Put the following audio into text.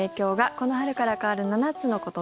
この春から変わる７つのこと。